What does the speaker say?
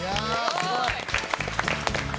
すごい！